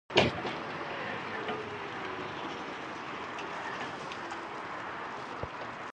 Dadgehê cezayên sêzdeh siyasetvanên kurd pesend kir.